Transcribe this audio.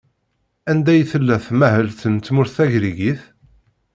Anda i tella tmahelt n tmurt tagrigit?